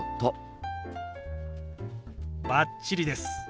バッチリです。